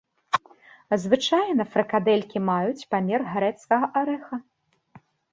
Звычайна фрыкадэлькі маюць памер грэцкага арэха.